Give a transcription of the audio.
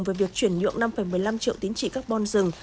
về việc chuyển nhượng năm một mươi năm triệu tín trị carbon rừng